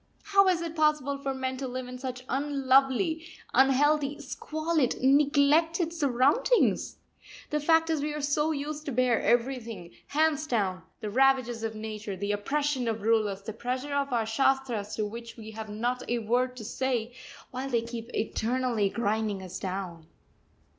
How is it possible for men to live in such unlovely, unhealthy, squalid, neglected surroundings? The fact is we are so used to bear everything, hands down, the ravages of Nature, the oppression of rulers, the pressure of our shastras to which we have not a word to say, while they keep eternally grinding us down.